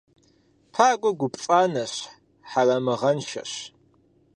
Пагуэ гу пцӏанэщ, хьэрэмыгъэншэщ.